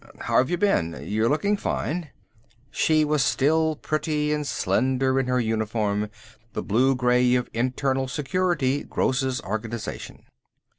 "How have you been? You're looking fine." She was still pretty and slender in her uniform, the blue grey of Internal Security, Gross' organization.